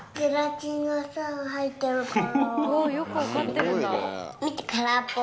およく分かってるんだ。